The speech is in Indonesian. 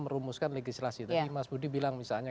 merumuskan legislasi tadi mas budi bilang misalnya